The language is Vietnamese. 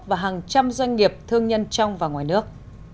và hàng trăm doanh nghiệp thương nhân trong và ngoài nước